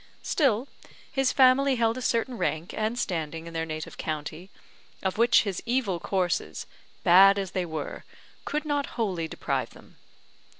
Still, his family held a certain rank and standing in their native county, of which his evil courses, bad as they were, could not wholly deprive them.